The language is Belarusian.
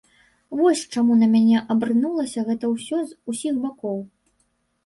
Вось чаму на мяне абрынулася гэта ўсё з усіх бакоў.